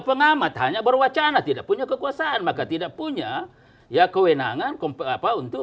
pengamat hanya berwacana tidak punya kekuasaan maka tidak punya ya kewenangan kompet apa untuk